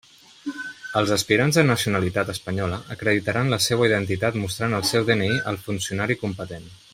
Els aspirants de nacionalitat espanyola acreditaran la seua identitat mostrant el seu DNI al funcionari competent.